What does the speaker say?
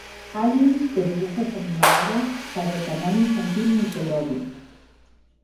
Aliens" de dibujos animados para el canal infantil Nickelodeon.